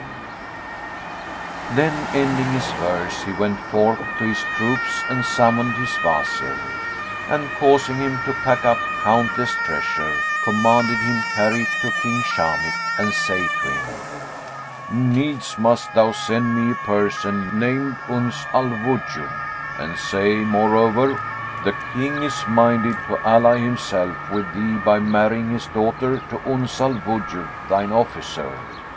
"[FN#73] Then, ending his verse, he went forth to his troops and summoned his Wazir; and, causing him to pack up countless treasure, commanded him carry it to King Shamikh and say to him, "Needs must thou send me a person named Uns al Wujud;" and say moreover "The King is minded to ally himself with thee by marrying his daughter to Uns al Wujud, thine officer.